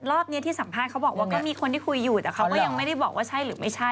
รอบนี้ที่สัมภาษณ์เขาบอกว่า